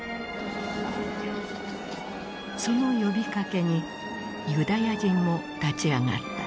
その呼びかけにユダヤ人も立ち上がった。